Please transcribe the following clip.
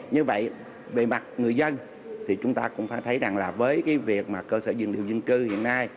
như vậy về mặt người dân thì chúng ta cũng phải thấy rằng là với cái việc mà cơ sở dữ liệu dân cư hiện nay